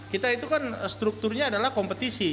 kita itu kan strukturnya adalah kompetisi